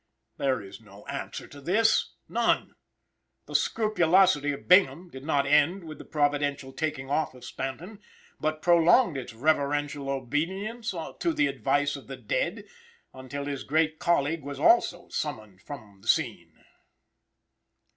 There is no answer to this; none. The "scrupulosity" of Bingham did not end with the providential taking off of Stanton, but prolonged its reverential obedience to the advice of the dead, until his great colleague also was summoned from the scene.